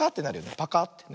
パカッてね。